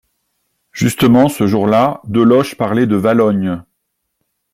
Justement, ce jour-là, Deloche parlait de Valognes.